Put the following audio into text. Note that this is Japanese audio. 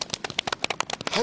はい。